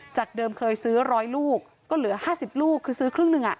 จากเดิมเคยซื้อ๑๐๐ลูกก็เหลือ๕๐ลูกคือซื้อครึ่งหนึ่ง